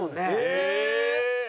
へえ！